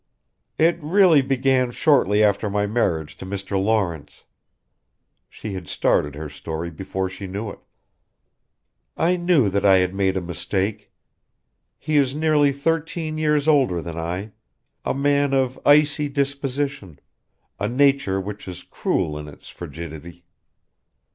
"It really began shortly after my marriage to Mr. Lawrence " she had started her story before she knew it. "I knew that I had made a mistake. He is nearly thirteen years older than I a man of icy disposition, a nature which is cruel in its frigidity.